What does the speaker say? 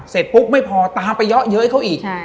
เสร็จปุ๊บไม่พอตามไปเยอะเย้ยเขาอีก